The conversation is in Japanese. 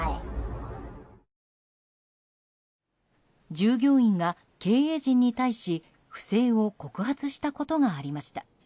従業員が経営陣に対し、不正を告発したことがありました。